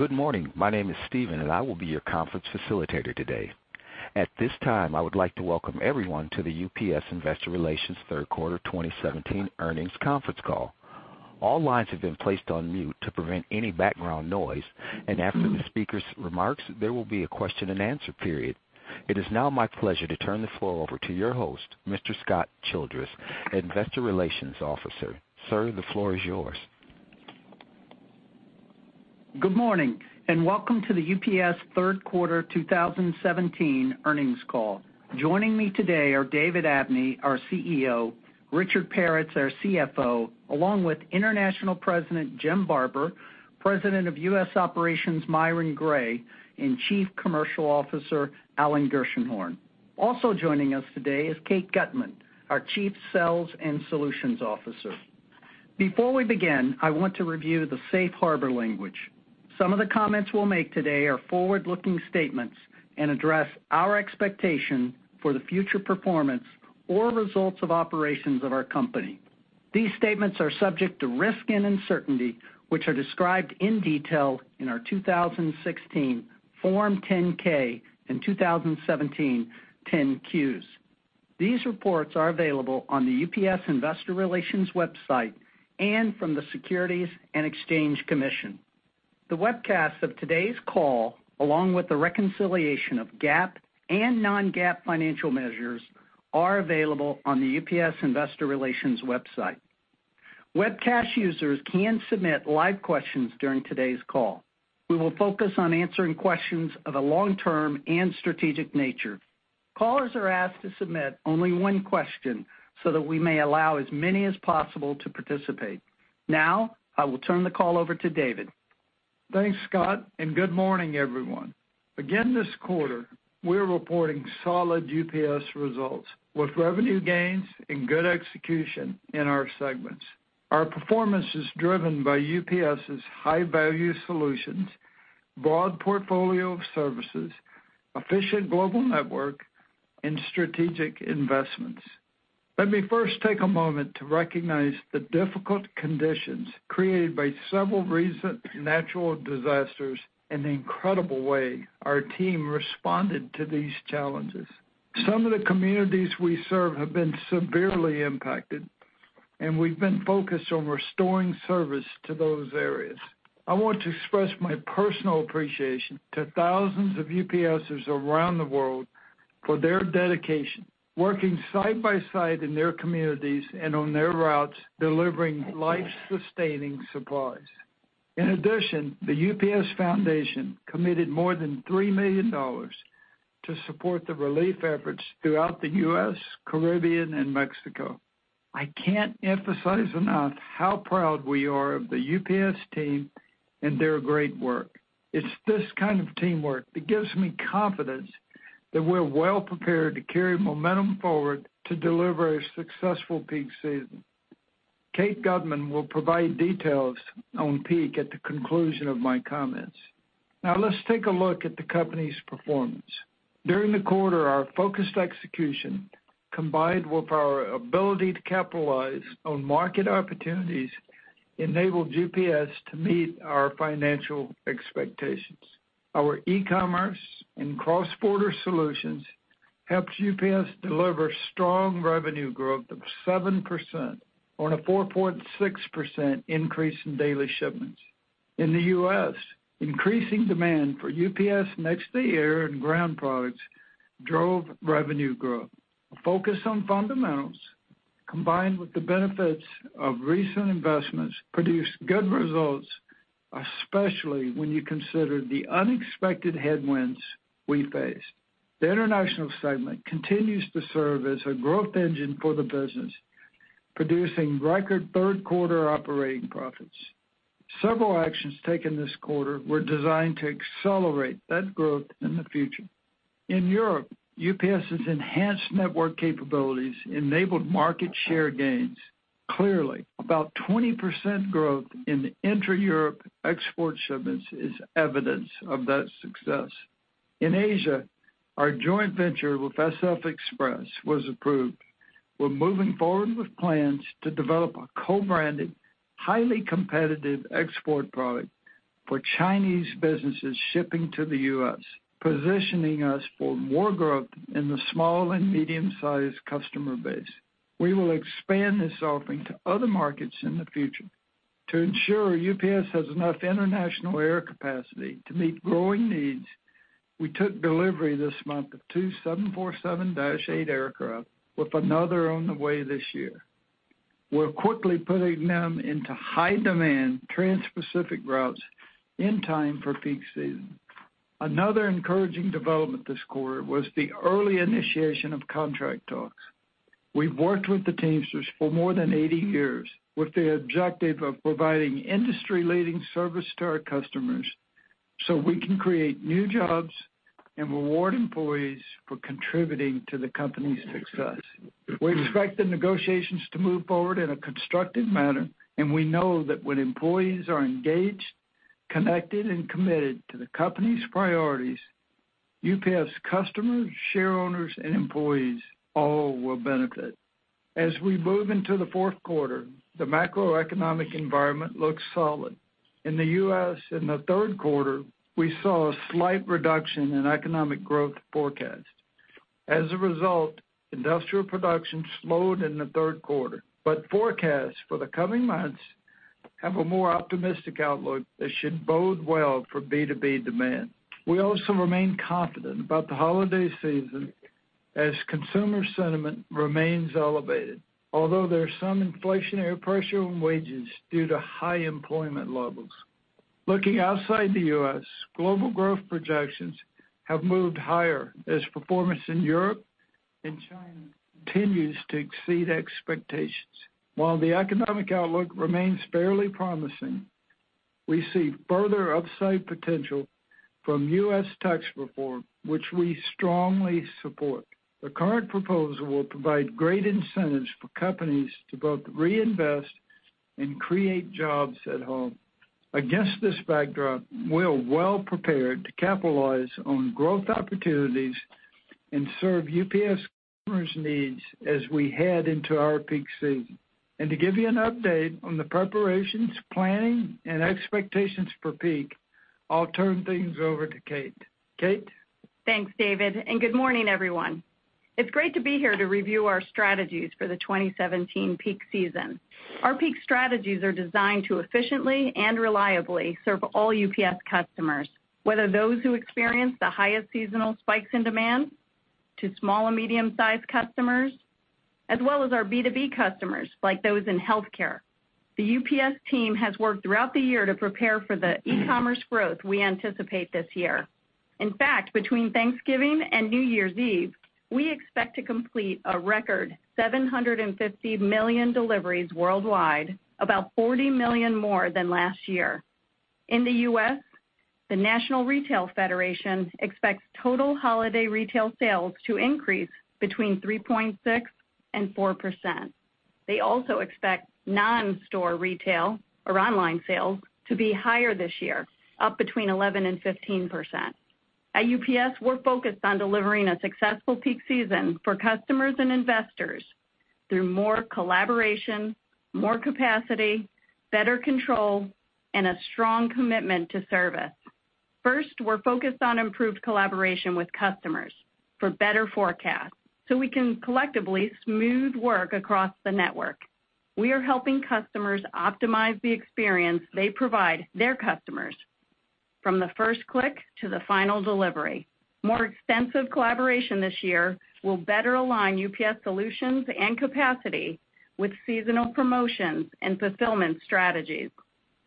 Good morning. My name is Steven, and I will be your conference facilitator today. At this time, I would like to welcome everyone to the UPS Investor Relations third quarter 2017 earnings conference call. All lines have been placed on mute to prevent any background noise, and after the speaker's remarks, there will be a question-and-answer period. It is now my pleasure to turn the floor over to your host, Mr. Scott Childress, investor relations officer. Sir, the floor is yours. Good morning, and welcome to the UPS third quarter 2017 earnings call. Joining me today are David Abney, our CEO, Richard Peretz, our CFO, along with International President Jim Barber, President of U.S. Operations Myron Gray, and Chief Commercial Officer Alan Gershenhorn. Also joining us today is Kate Gutmann, our Chief Sales and Solutions Officer. Before we begin, I want to review the safe harbor language. Some of the comments we'll make today are forward-looking statements and address our expectation for the future performance or results of operations of our company. These statements are subject to risk and uncertainty, which are described in detail in our 2016 Form 10-K and 2017 10-Qs. These reports are available on the UPS investor relations website and from the Securities and Exchange Commission. The webcast of today's call, along with the reconciliation of GAAP and non-GAAP financial measures, are available on the UPS investor relations website. Webcast users can submit live questions during today's call. We will focus on answering questions of a long-term and strategic nature. Callers are asked to submit only one question so that we may allow as many as possible to participate. Now, I will turn the call over to David. Thanks, Scott, and good morning, everyone. Again, this quarter, we're reporting solid UPS results with revenue gains and good execution in our segments. Our performance is driven by UPS's high-value solutions, broad portfolio of services, efficient global network, and strategic investments. Let me first take a moment to recognize the difficult conditions created by several recent natural disasters and the incredible way our team responded to these challenges. Some of the communities we serve have been severely impacted, and we've been focused on restoring service to those areas. I want to express my personal appreciation to thousands of UPSers around the world for their dedication, working side by side in their communities and on their routes, delivering life-sustaining supplies. In addition, The UPS Foundation committed more than $3 million to support the relief efforts throughout the U.S., Caribbean, and Mexico. I can't emphasize enough how proud we are of the UPS team and their great work. It's this kind of teamwork that gives me confidence that we're well prepared to carry momentum forward to deliver a successful peak season. Kate Gutmann will provide details on peak at the conclusion of my comments. Let's take a look at the company's performance. During the quarter, our focused execution, combined with our ability to capitalize on market opportunities, enabled UPS to meet our financial expectations. Our e-commerce and cross-border solutions helped UPS deliver strong revenue growth of 7% on a 4.6% increase in daily shipments. In the U.S., increasing demand for UPS Next Day Air and ground products drove revenue growth. A focus on fundamentals, combined with the benefits of recent investments, produced good results, especially when you consider the unexpected headwinds we faced. The international segment continues to serve as a growth engine for the business, producing record third-quarter operating profits. Several actions taken this quarter were designed to accelerate that growth in the future. In Europe, UPS's enhanced network capabilities enabled market share gains. About 20% growth in intra-Europe export shipments is evidence of that success. In Asia, our joint venture with SF Express was approved. We're moving forward with plans to develop a co-branded, highly competitive export product for Chinese businesses shipping to the U.S., positioning us for more growth in the small and medium-sized customer base. We will expand this offering to other markets in the future. To ensure UPS has enough international air capacity to meet growing needs, we took delivery this month of 2 747-8 aircraft, with another on the way this year. We're quickly putting them into high-demand transpacific routes in time for peak season. Another encouraging development this quarter was the early initiation of contract talks. We've worked with the Teamsters for more than 80 years with the objective of providing industry-leading service to our customers so we can create new jobs and reward employees for contributing to the company's success. We know that when employees are engaged, connected, and committed to the company's priorities UPS customers, shareowners, and employees all will benefit. We move into the fourth quarter, the macroeconomic environment looks solid. In the U.S., in the third quarter, we saw a slight reduction in economic growth forecast. Industrial Production slowed in the third quarter, forecasts for the coming months have a more optimistic outlook that should bode well for B2B demand. We remain confident about the holiday season as consumer sentiment remains elevated, although there is some inflationary pressure on wages due to high employment levels. Looking outside the U.S., global growth projections have moved higher as performance in Europe and China continues to exceed expectations. While the economic outlook remains fairly promising, we see further upside potential from U.S. tax reform, which we strongly support. The current proposal will provide great incentives for companies to both reinvest and create jobs at home. Against this backdrop, we are well-prepared to capitalize on growth opportunities and serve UPS customers' needs as we head into our peak season. To give you an update on the preparations, planning, and expectations for peak, I'll turn things over to Kate. Kate? Thanks, David, and good morning, everyone. It's great to be here to review our strategies for the 2017 peak season. Our peak strategies are designed to efficiently and reliably serve all UPS customers, whether those who experience the highest seasonal spikes in demand to small and medium-sized customers, as well as our B2B customers, like those in healthcare. The UPS team has worked throughout the year to prepare for the e-commerce growth we anticipate this year. In fact, between Thanksgiving and New Year's Eve, we expect to complete a record 750 million deliveries worldwide, about 40 million more than last year. In the U.S., the National Retail Federation expects total holiday retail sales to increase between 3.6% and 4%. They also expect non-store retail or online sales to be higher this year, up between 11% and 15%. At UPS, we're focused on delivering a successful peak season for customers and investors through more collaboration, more capacity, better control, and a strong commitment to service. First, we're focused on improved collaboration with customers for better forecasts so we can collectively smooth work across the network. We are helping customers optimize the experience they provide their customers from the first click to the final delivery. More extensive collaboration this year will better align UPS solutions and capacity with seasonal promotions and fulfillment strategies.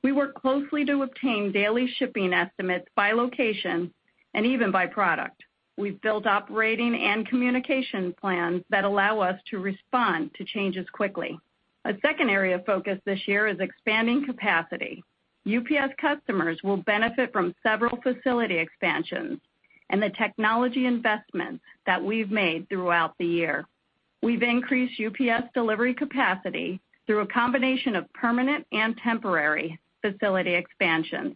We work closely to obtain daily shipping estimates by location and even by product. We've built operating and communication plans that allow us to respond to changes quickly. A second area of focus this year is expanding capacity. UPS customers will benefit from several facility expansions and the technology investments that we've made throughout the year. We've increased UPS delivery capacity through a combination of permanent and temporary facility expansions.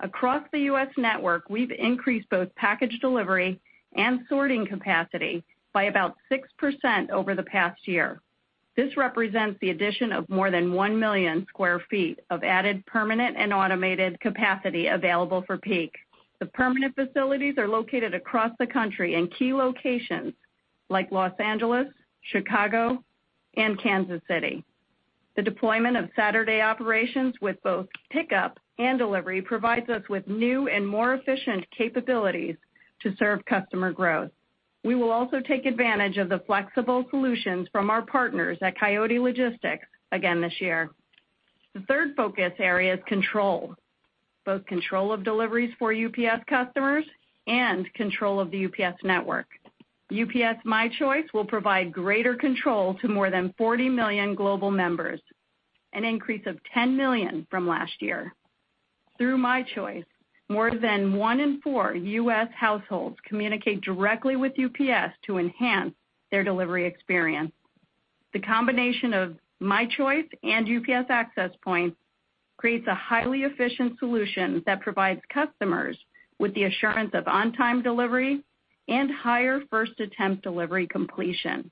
Across the U.S. network, we've increased both package delivery and sorting capacity by about 6% over the past year. This represents the addition of more than 1 million sq ft of added permanent and automated capacity available for peak. The permanent facilities are located across the country in key locations like Los Angeles, Chicago, and Kansas City. The deployment of Saturday operations with both pickup and delivery provides us with new and more efficient capabilities to serve customer growth. We will also take advantage of the flexible solutions from our partners at Coyote Logistics again this year. The third focus area is control, both control of deliveries for UPS customers and control of the UPS network. UPS My Choice will provide greater control to more than 40 million global members, an increase of 10 million from last year. Through My Choice, more than one in four U.S. households communicate directly with UPS to enhance their delivery experience. The combination of My Choice and UPS Access Point creates a highly efficient solution that provides customers with the assurance of on-time delivery and higher first attempt delivery completion.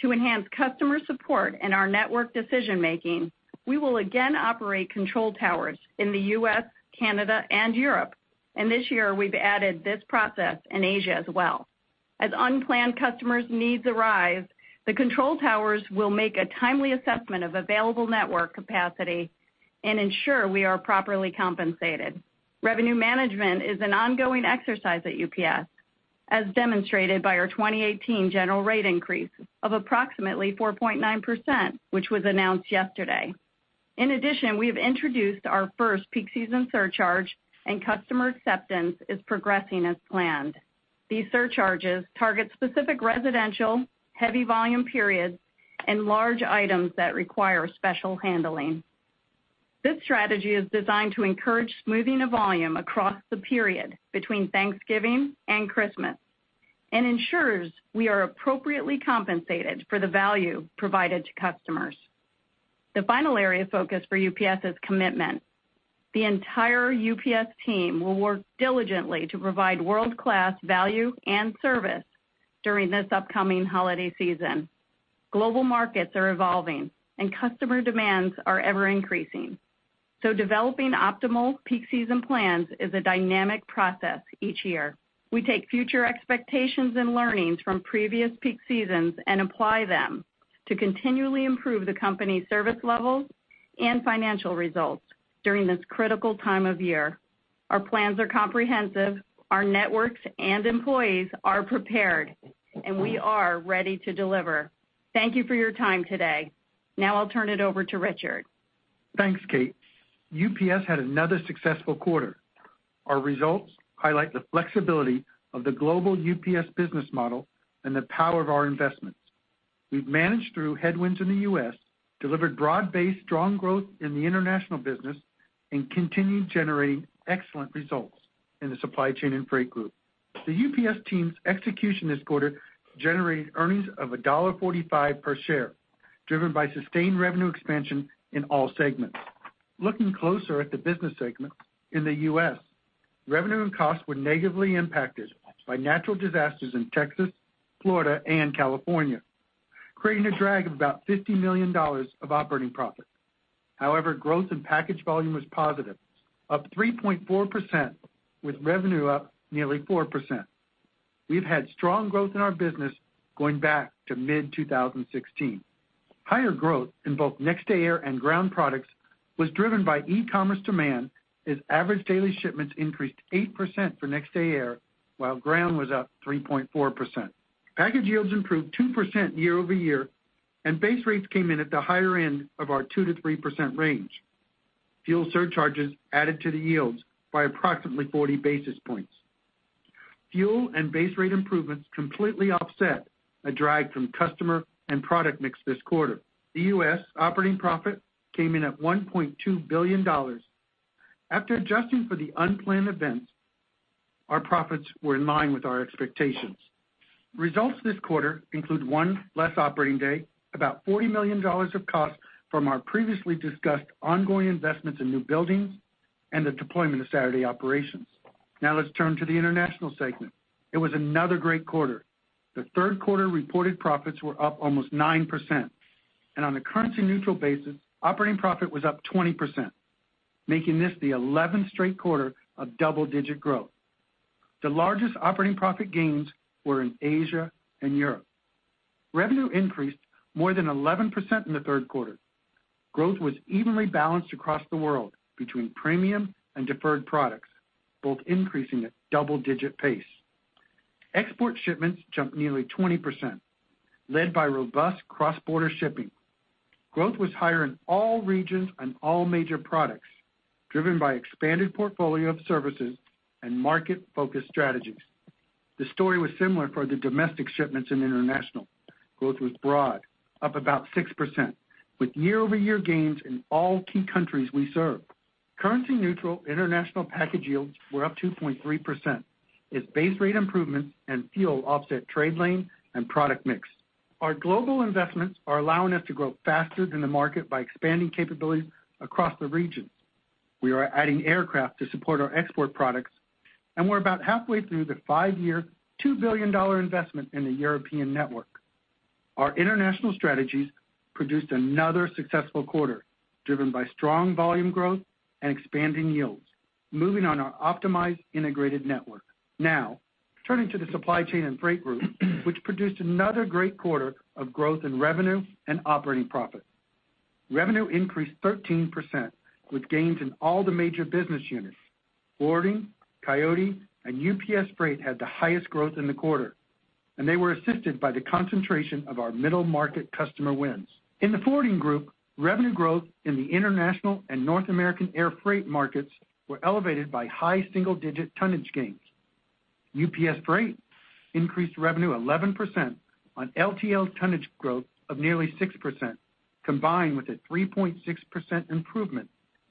To enhance customer support and our network decision-making, we will again operate control towers in the U.S., Canada, and Europe. This year, we've added this process in Asia as well. As unplanned customers' needs arise, the control towers will make a timely assessment of available network capacity and ensure we are properly compensated. Revenue management is an ongoing exercise at UPS, as demonstrated by our 2018 general rate increase of approximately 4.9%, which was announced yesterday. In addition, we have introduced our first peak season surcharge, customer acceptance is progressing as planned. These surcharges target specific residential, heavy volume periods, and large items that require special handling. This strategy is designed to encourage smoothing of volume across the period between Thanksgiving and Christmas. It ensures we are appropriately compensated for the value provided to customers. The final area of focus for UPS is commitment. The entire UPS team will work diligently to provide world-class value and service during this upcoming holiday season. Global markets are evolving, and customer demands are ever-increasing. Developing optimal peak season plans is a dynamic process each year. We take future expectations and learnings from previous peak seasons and apply them to continually improve the company's service levels and financial results during this critical time of year. Our plans are comprehensive, our networks and employees are prepared. We are ready to deliver. Thank you for your time today. I'll turn it over to Richard. Thanks, Kate. UPS had another successful quarter. Our results highlight the flexibility of the global UPS business model and the power of our investments. We've managed through headwinds in the U.S., delivered broad-based strong growth in the international business, and continued generating excellent results in the Supply Chain & Freight group. The UPS team's execution this quarter generated earnings of $1.45 per share, driven by sustained revenue expansion in all segments. Looking closer at the business segments, in the U.S., revenue and costs were negatively impacted by natural disasters in Texas, Florida, and California, creating a drag of about $50 million of operating profit. However, growth in package volume was positive, up 3.4% with revenue up nearly 4%. We've had strong growth in our business going back to mid-2016. Higher growth in both Next Day Air and ground products was driven by e-commerce demand, as average daily shipments increased 8% for Next Day Air, while ground was up 3.4%. Package yields improved 2% year-over-year, and base rates came in at the higher end of our 2%-3% range. Fuel surcharges added to the yields by approximately 40 basis points. Fuel and base rate improvements completely offset a drag from customer and product mix this quarter. The U.S. operating profit came in at $1.2 billion. After adjusting for the unplanned events, our profits were in line with our expectations. Results this quarter include one less operating day, about $40 million of costs from our previously discussed ongoing investments in new buildings, and the deployment of Saturday operations. Let's turn to the international segment. It was another great quarter. The third quarter reported profits were up almost 9%, and on a currency-neutral basis, operating profit was up 20%, making this the 11th straight quarter of double-digit growth. The largest operating profit gains were in Asia and Europe. Revenue increased more than 11% in the third quarter. Growth was evenly balanced across the world between premium and deferred products, both increasing at double-digit pace. Export shipments jumped nearly 20%, led by robust cross-border shipping. Growth was higher in all regions and all major products, driven by expanded portfolio of services and market-focused strategies. The story was similar for the domestic shipments in international. Growth was broad, up about 6%, with year-over-year gains in all key countries we serve. Currency neutral international package yields were up 2.3%, as base rate improvements and fuel offset trade lane and product mix. Our global investments are allowing us to grow faster than the market by expanding capabilities across the regions. We are adding aircraft to support our export products, and we're about halfway through the five-year, $2 billion investment in the European network. Our international strategies produced another successful quarter, driven by strong volume growth and expanding yields, moving on our optimized integrated network. Turning to the Supply Chain & Freight group, which produced another great quarter of growth in revenue and operating profit. Revenue increased 13% with gains in all the major business units. Forwarding, Coyote, and UPS Freight had the highest growth in the quarter, and they were assisted by the concentration of our middle-market customer wins. In the forwarding group, revenue growth in the international and North American air freight markets were elevated by high single-digit tonnage gains. UPS Freight increased revenue 11% on LTL tonnage growth of nearly 6%, combined with a 3.6% improvement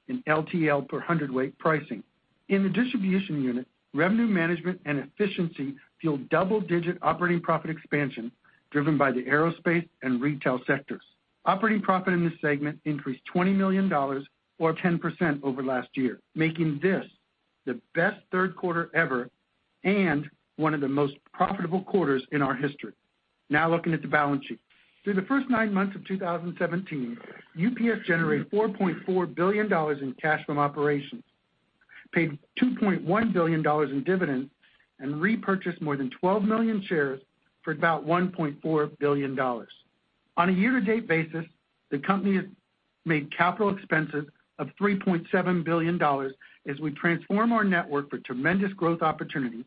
in LTL per hundredweight pricing. In the distribution unit, revenue management and efficiency fueled double-digit operating profit expansion driven by the aerospace and retail sectors. Operating profit in this segment increased $20 million or 10% over last year, making this the best third quarter ever and one of the most profitable quarters in our history. Looking at the balance sheet. Through the first nine months of 2017, UPS generated $4.4 billion in cash from operations, paid $2.1 billion in dividends, and repurchased more than 12 million shares for about $1.4 billion. On a year-to-date basis, the company has made capital expenses of $3.7 billion as we transform our network for tremendous growth opportunity,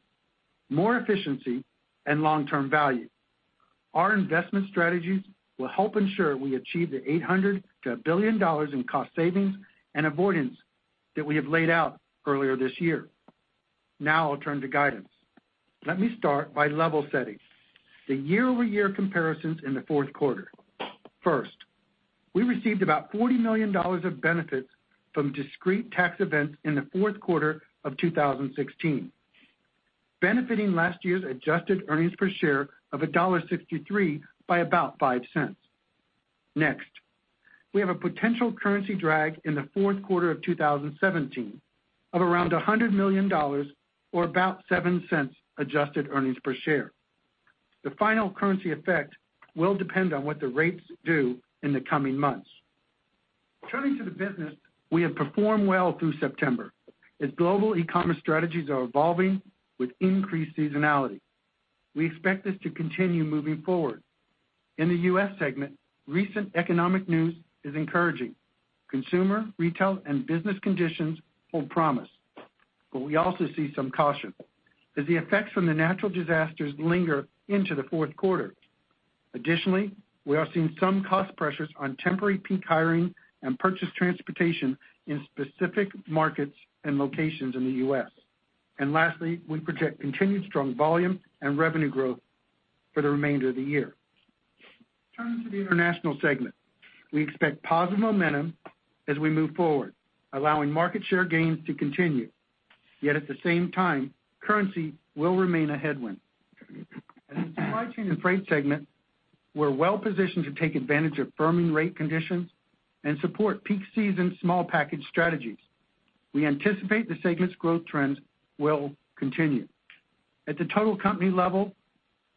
more efficiency, and long-term value. Our investment strategies will help ensure we achieve the $800 to $1 billion in cost savings and avoidance that we have laid out earlier this year. I'll turn to guidance. Let me start by level setting. The year-over-year comparisons in the fourth quarter. First, we received about $40 million of benefits from discrete tax events in the fourth quarter of 2016, benefiting last year's adjusted earnings per share of $1.63 by about $0.05. We have a potential currency drag in the fourth quarter of 2017 of around $100 million or about $0.07 adjusted earnings per share. The final currency effect will depend on what the rates do in the coming months. Turning to the business, we have performed well through September as global e-commerce strategies are evolving with increased seasonality. We expect this to continue moving forward. In the U.S. segment, recent economic news is encouraging. Consumer, retail, and business conditions hold promise. We also see some caution as the effects from the natural disasters linger into the fourth quarter. Additionally, we are seeing some cost pressures on temporary peak hiring and purchase transportation in specific markets and locations in the U.S. Lastly, we project continued strong volume and revenue growth for the remainder of the year. Turning to the international segment, we expect positive momentum as we move forward, allowing market share gains to continue. At the same time, currency will remain a headwind. In Supply Chain & Freight segment, we're well-positioned to take advantage of firming rate conditions and support peak season small package strategies. We anticipate the segment's growth trends will continue. At the total company level,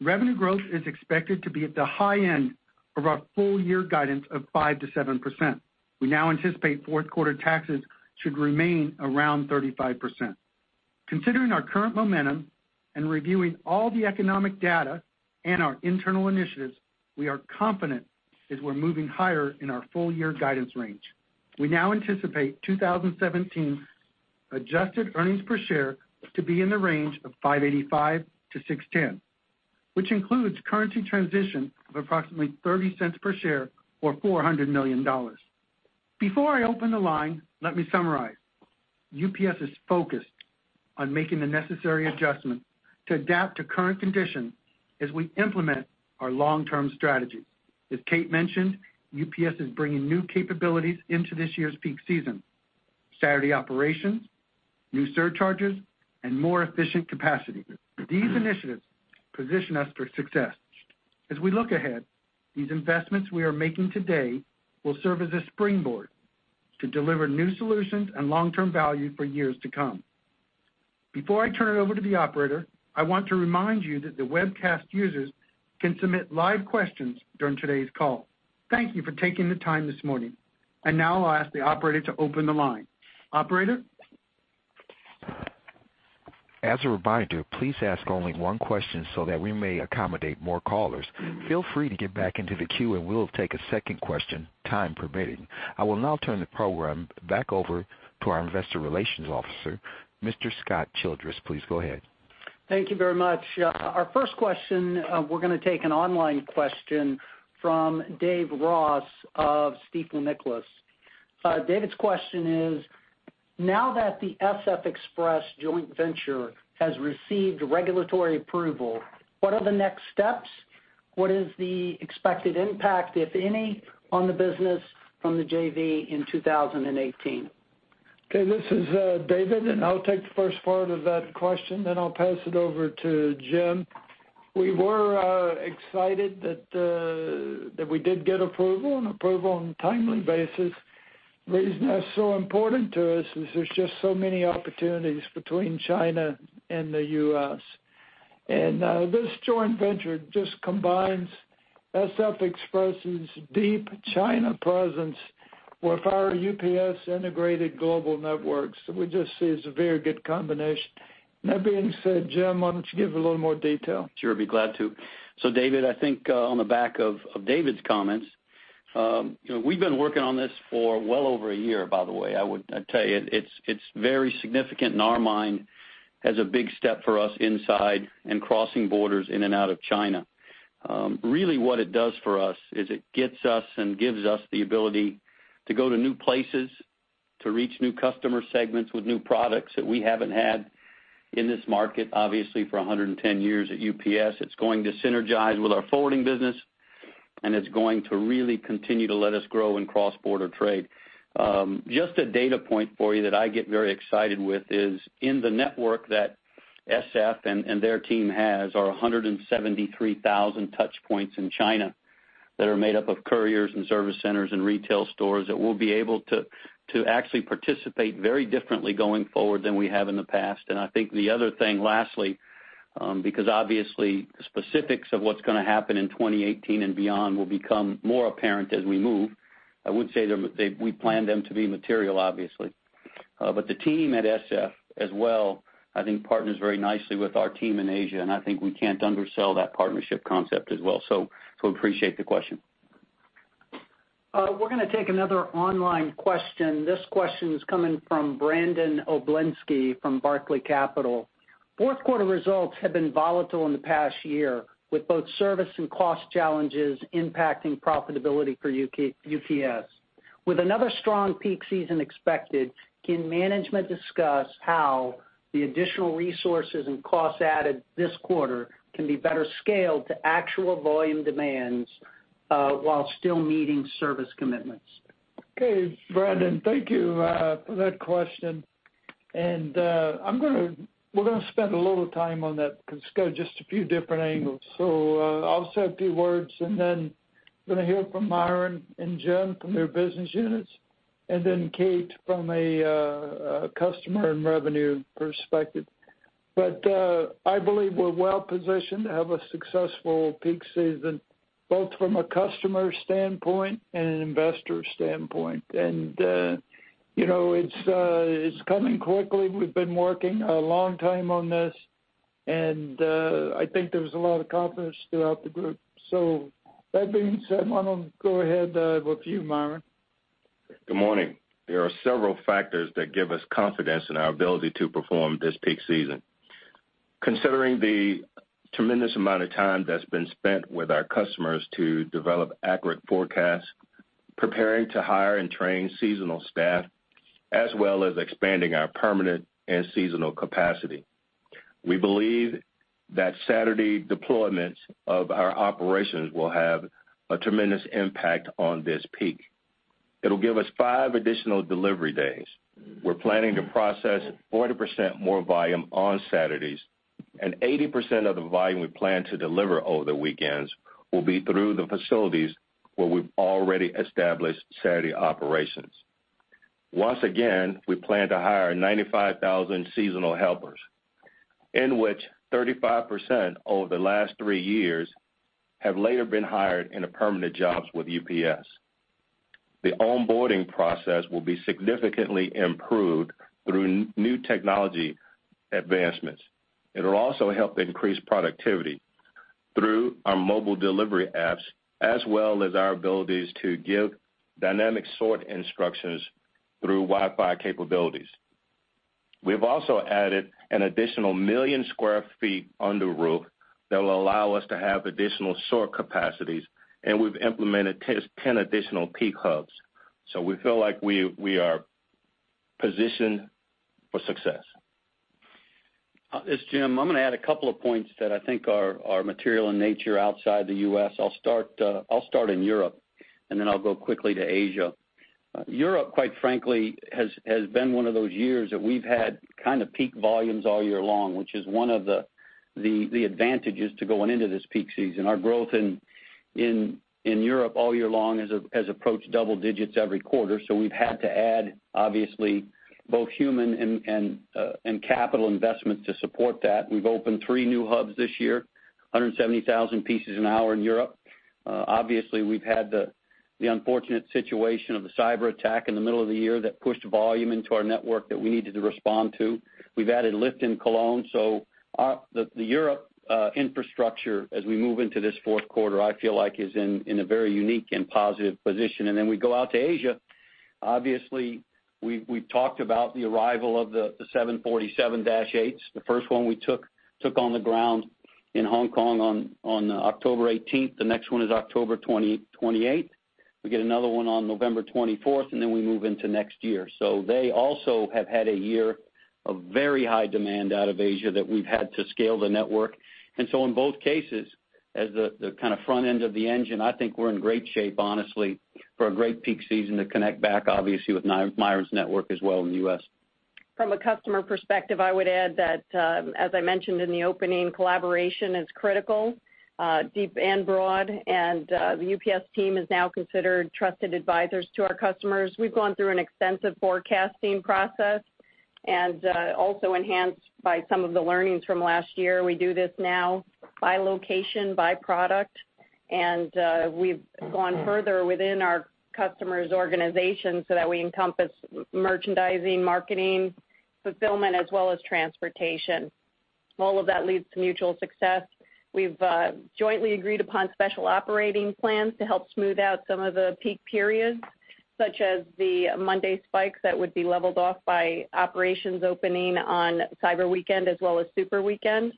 revenue growth is expected to be at the high end of our full-year guidance of 5%-7%. We now anticipate fourth quarter taxes should remain around 35%. Considering our current momentum and reviewing all the economic data and our internal initiatives, we are confident that we're moving higher in our full-year guidance range. We now anticipate 2017 adjusted earnings per share to be in the range of $5.85-$6.10, which includes currency transition of approximately $0.30 per share or $400 million. Before I open the line, let me summarize. UPS is focused on making the necessary adjustments to adapt to current conditions as we implement our long-term strategy. As Kate mentioned, UPS is bringing new capabilities into this year's peak season: Saturday operations, new surcharges, and more efficient capacity. These initiatives position us for success. As we look ahead, these investments we are making today will serve as a springboard to deliver new solutions and long-term value for years to come. Before I turn it over to the operator, I want to remind you that the webcast users can submit live questions during today's call. Thank you for taking the time this morning. Now I'll ask the operator to open the line. Operator? As a reminder, please ask only one question so that we may accommodate more callers. Feel free to get back into the queue, and we'll take a second question, time permitting. I will now turn the program back over to our Investor Relations Officer, Mr. Scott Childress. Please go ahead. Thank you very much. Our first question, we're going to take an online question from Dave Ross of Stifel Nicolaus. David's question is: Now that the SF Express joint venture has received regulatory approval, what are the next steps? What is the expected impact, if any, on the business from the JV in 2018? Okay, this is David, and I'll take the first part of that question, then I'll pass it over to Jim. We were excited that we did get approval and approval on a timely basis. The reason that's so important to us is there's just so many opportunities between China and the U.S. This joint venture just combines SF Express's deep China presence with our UPS integrated global networks. We just see it as a very good combination. That being said, Jim, why don't you give a little more detail? Sure, I'd be glad to. David, I think on the back of David's comments, we've been working on this for well over a year, by the way. I tell you, it's very significant in our mind as a big step for us inside and crossing borders in and out of China. Really, what it does for us is it gets us and gives us the ability to go to new places, to reach new customer segments with new products that we haven't had in this market, obviously, for 110 years at UPS. It's going to synergize with our forwarding business, and it's going to really continue to let us grow in cross-border trade. Just a data point for you that I get very excited with is in the network that SF and their team has are 173,000 touch points in China that are made up of couriers and service centers and retail stores that we'll be able to actually participate very differently going forward than we have in the past. I think the other thing, lastly because obviously, the specifics of what's going to happen in 2018 and beyond will become more apparent as we move. I would say we plan them to be material, obviously. The team at SF as well, I think partners very nicely with our team in Asia, and I think we can't undersell that partnership concept as well. Appreciate the question. We're going to take another online question. This question is coming from Brandon Oglenski from Barclays Capital. Fourth quarter results have been volatile in the past year, with both service and cost challenges impacting profitability for UPS. With another strong peak season expected, can management discuss how the additional resources and costs added this quarter can be better scaled to actual volume demands while still meeting service commitments? Okay, Brandon, thank you for that question. We're going to spend a little time on that because it's got just a few different angles. I'll say a few words, and then we're going to hear from Myron and Jim from their business units, and then Kate from a customer and revenue perspective. I believe we're well-positioned to have a successful peak season, both from a customer standpoint and an investor standpoint. It's coming quickly. We've been working a long time on this, and I think there's a lot of confidence throughout the group. That being said, Myron, I'll go ahead with you, Myron. Good morning. There are several factors that give us confidence in our ability to perform this peak season. Considering the tremendous amount of time that's been spent with our customers to develop accurate forecasts, preparing to hire and train seasonal staff, as well as expanding our permanent and seasonal capacity. We believe that Saturday deployments of our operations will have a tremendous impact on this peak. It'll give us five additional delivery days. We're planning to process 40% more volume on Saturdays, and 80% of the volume we plan to deliver over the weekends will be through the facilities where we've already established Saturday operations. Once again, we plan to hire 95,000 seasonal helpers, in which 35% over the last three years have later been hired into permanent jobs with UPS. The onboarding process will be significantly improved through new technology advancements. It'll also help increase productivity through our mobile delivery apps, as well as our abilities to give dynamic sort instructions through Wi-Fi capabilities. We've also added an additional 1 million sq ft under roof that will allow us to have additional sort capacities, and we've implemented 10 additional peak hubs. We feel like we are positioned for success. It's Jim. I'm going to add a couple of points that I think are material in nature outside the U.S. I'll start in Europe, then I'll go quickly to Asia. Europe, quite frankly, has been one of those years that we've had kind of peak volumes all year long, which is one of the advantages to going into this peak season. Our growth in Europe all year long has approached double digits every quarter. We've had to add, obviously, both human and capital investments to support that. We've opened three new hubs this year, 170,000 pieces an hour in Europe. We've had the unfortunate situation of the cyberattack in the middle of the year that pushed volume into our network that we needed to respond to. We've added lift in Cologne. The Europe infrastructure, as we move into this fourth quarter, I feel like is in a very unique and positive position. We go out to Asia. We've talked about the arrival of the 747-8s. The first one we took on the ground in Hong Kong on October 18th. The next one is October 28th. We get another one on November 24th. We move into next year. They also have had a year of very high demand out of Asia that we've had to scale the network. In both cases, as the kind of front end of the engine, I think we're in great shape, honestly, for a great peak season to connect back with Myron's network as well in the U.S. From a customer perspective, I would add that, as I mentioned in the opening, collaboration is critical, deep and broad. The UPS team is now considered trusted advisors to our customers. We've gone through an extensive forecasting process and also enhanced by some of the learnings from last year. We do this now by location, by product. We've gone further within our customers' organizations so that we encompass merchandising, marketing, fulfillment, as well as transportation. All of that leads to mutual success. We've jointly agreed upon special operating plans to help smooth out some of the peak periods, such as the Monday spikes that would be leveled off by operations opening on Cyber Weekend as well as Super Saturday.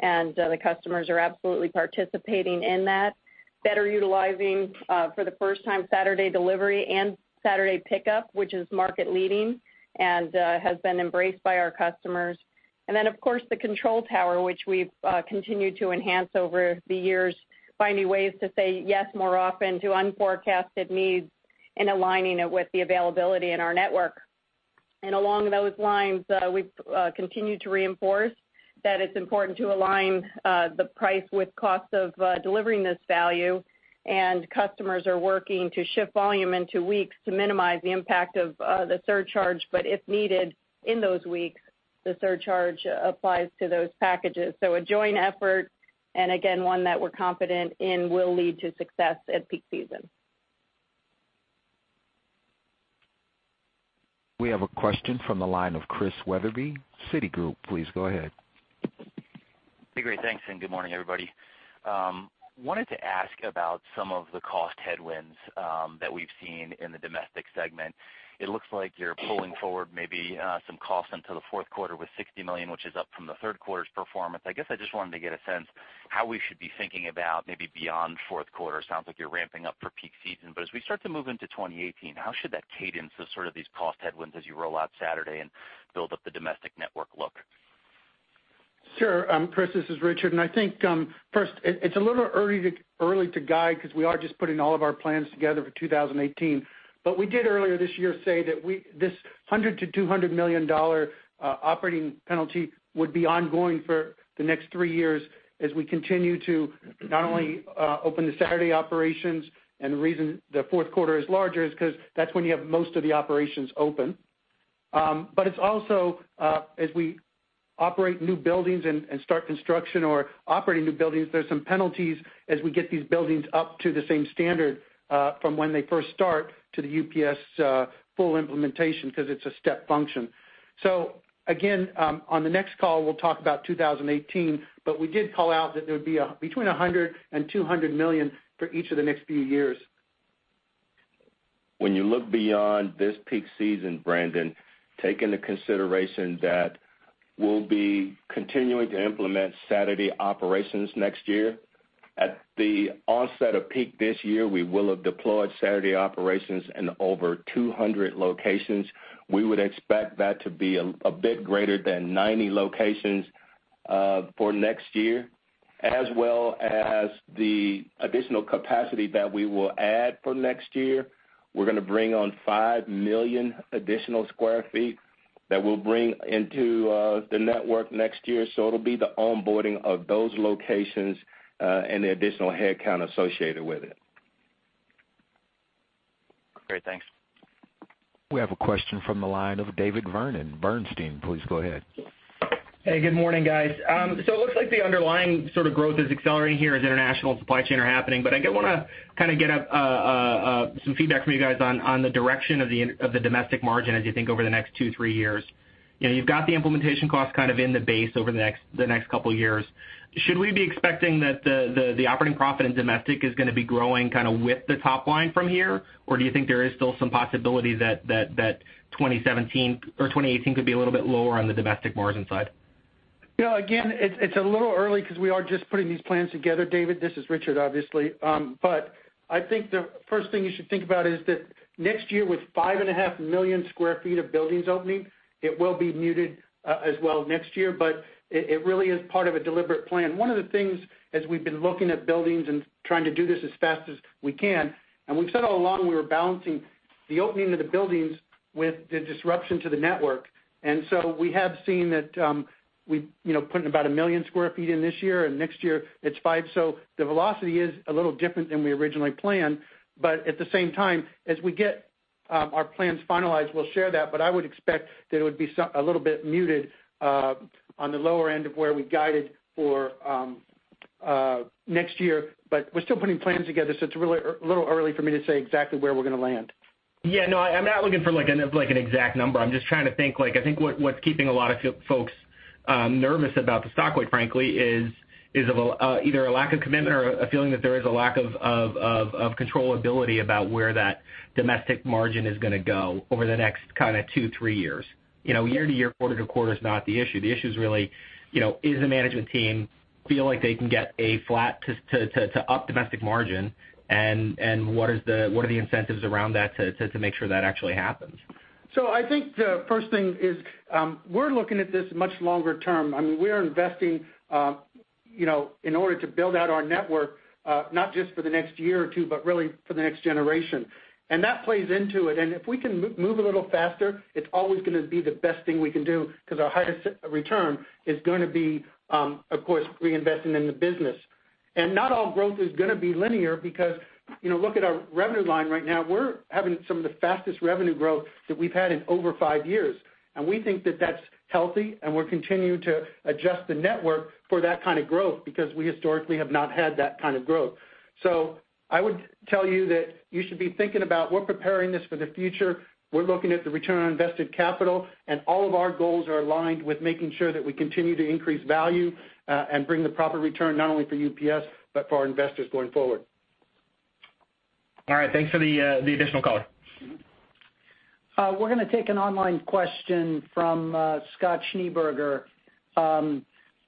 The customers are absolutely participating in that, better utilizing, for the first time, Saturday delivery and Saturday pickup, which is market leading and has been embraced by our customers. Of course, the control tower, which we've continued to enhance over the years, finding ways to say yes more often to unforecasted needs and aligning it with the availability in our network. Along those lines, we've continued to reinforce that it's important to align the price with cost of delivering this value. Customers are working to shift volume into weeks to minimize the impact of the surcharge. If needed in those weeks, the surcharge applies to those packages. A joint effort, again, one that we're confident in will lead to success at peak season. We have a question from the line of Chris Wetherbee, Citigroup. Please go ahead. Hey, great, thanks. Good morning, everybody. Wanted to ask about some of the cost headwinds that we've seen in the domestic segment. It looks like you're pulling forward maybe some costs into the fourth quarter with $60 million, which is up from the third quarter's performance. I guess I just wanted to get a sense how we should be thinking about maybe beyond fourth quarter. Sounds like you're ramping up for peak season, but as we start to move into 2018, how should that cadence of sort of these cost headwinds as you roll out Saturday and build up the domestic network look? Sure. Chris, this is Richard. I think, first, it's a little early to guide because we are just putting all of our plans together for 2018. We did earlier this year say that this $100 million-$200 million operating penalty would be ongoing for the next 3 years as we continue to not only open the Saturday operations. The reason the fourth quarter is larger is because that's when you have most of the operations open. It's also as we operate new buildings and start construction or operating new buildings, there's some penalties as we get these buildings up to the same standard from when they first start to the UPS full implementation, because it's a step function. Again, on the next call, we'll talk about 2018, we did call out that there would be between $100 million and $200 million for each of the next few years. When you look beyond this peak season, Brandon, take into consideration that we'll be continuing to implement Saturday operations next year. At the onset of peak this year, we will have deployed Saturday operations in over 200 locations. We would expect that to be a bit greater than 90 locations for next year, as well as the additional capacity that we will add for next year. We're going to bring on 5 million additional sq ft that we'll bring into the network next year. It'll be the onboarding of those locations, and the additional headcount associated with it. Great. Thanks. We have a question from the line of David Vernon, Bernstein. Please go ahead. Hey, good morning, guys. It looks like the underlying sort of growth is accelerating here as international and supply chain are happening. I want to kind of get some feedback from you guys on the direction of the domestic margin as you think over the next two, three years. You've got the implementation cost kind of in the base over the next couple of years. Should we be expecting that the operating profit in domestic is going to be growing with the top line from here? Or do you think there is still some possibility that 2017 or 2018 could be a little bit lower on the domestic margin side? It's a little early because we are just putting these plans together, David. This is Richard, obviously. I think the first thing you should think about is that next year, with 5.5 million square feet of buildings opening, it will be muted as well next year, but it really is part of a deliberate plan. One of the things, as we've been looking at buildings and trying to do this as fast as we can, and we've said all along, we were balancing the opening of the buildings with the disruption to the network. We have seen that we put in about 1 million square feet in this year, and next year it's 5. The velocity is a little different than we originally planned. At the same time, as we get our plans finalized, we'll share that. I would expect that it would be a little bit muted on the lower end of where we guided for next year. We're still putting plans together, so it's a little early for me to say exactly where we're going to land. Yeah, no, I'm not looking for an exact number. I'm just trying to think, I think what's keeping a lot of folks nervous about the stock, quite frankly, is either a lack of commitment or a feeling that there is a lack of controllability about where that domestic margin is going to go over the next two, three years. Year-to-year, quarter-to-quarter is not the issue. The issue is really, is the management team feel like they can get a flat to up domestic margin? What are the incentives around that to make sure that actually happens? I think the first thing is we're looking at this much longer term. We're investing in order to build out our network, not just for the next year or two, but really for the next generation. That plays into it. If we can move a little faster, it's always going to be the best thing we can do because our highest return is going to be of course, reinvesting in the business. Not all growth is going to be linear because look at our revenue line right now. We're having some of the fastest revenue growth that we've had in over five years, and we think that that's healthy. We're continuing to adjust the network for that kind of growth because we historically have not had that kind of growth. I would tell you that you should be thinking about we're preparing this for the future. We're looking at the return on invested capital, and all of our goals are aligned with making sure that we continue to increase value and bring the proper return, not only for UPS, but for our investors going forward. All right. Thanks for the additional color. We're going to take an online question from Scott Schneeberger of